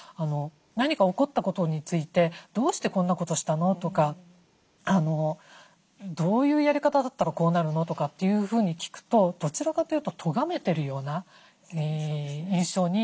何か起こったことについて「どうしてこんなことしたの？」とか「どういうやり方だったらこうなるの？」とかっていうふうに聞くとどちらかというととがめてるような印象になってしまうことがあるので。